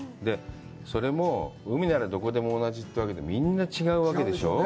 それも、海ならどこでも同じというわけではなくて、みんな違うわけでしょう。